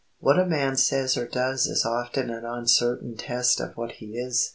What a man says or does is often an uncertain test of what he is.